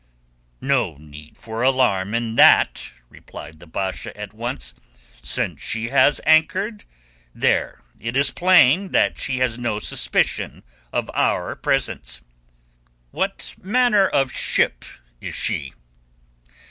"No need for alarm in that," replied the Basha at once. "Since she has anchored there it is plain that she has no suspicion of our presence. What manner of ship is she?"